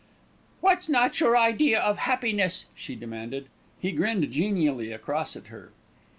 "What's not your idea of happiness?" she demanded. He grinned genially across at her.